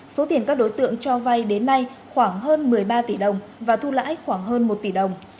số tiền các đối tượng cho vay đến nay khoảng hơn một mươi ba tỷ đồng và thu lãi khoảng hơn một tỷ đồng